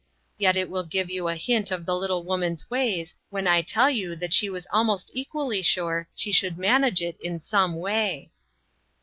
Yet it will give you a hint of the little woman's ways when I tell you that she was almost equally sure she should manage it in some way.